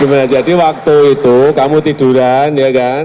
gimana jadi waktu itu kamu tiduran ya kan